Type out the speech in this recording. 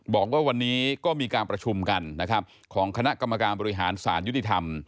บอกว่าวันนี้ก็มีการประชุมกันนะครับของคณะกรรมการบริหารสารยุติธรรม